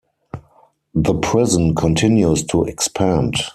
The prison continues to expand.